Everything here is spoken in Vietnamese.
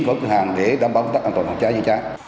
của cửa hàng để đảm bảo tất cả tổng hợp trái